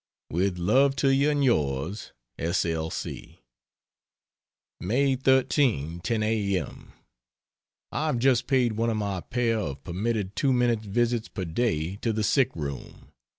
With love to you and yours, S. L. C. May 13 10 A.M. I have just paid one of my pair of permitted 2 minutes visits per day to the sick room.